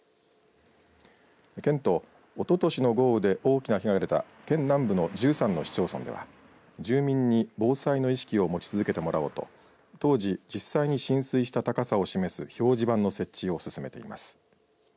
県と、おととしの豪雨で大きな被害が出た県南部の１３の市町村では住民に防災の意識を持ち続けてもらおうと当時、実際に浸水した高さを示す表示板の設置を進めています。